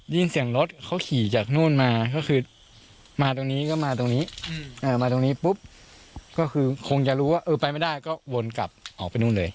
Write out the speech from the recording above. เสียงรถเขาขี่จากนู่นมาก็คือมาตรงนี้ก็มาตรงนี้มาตรงนี้ปุ๊บก็คือคงจะรู้ว่าเออไปไม่ได้ก็วนกลับออกไปนู่นเลย